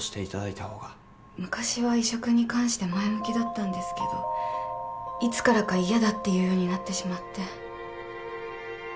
昔は移植に関して前向きだったんですけどいつからか嫌だって言うようになってしまって。